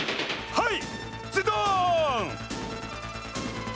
はい。